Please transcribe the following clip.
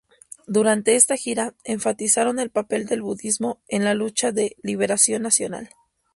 Durante esta gira, enfatizaron el papel del budismo en la lucha de liberación nacional.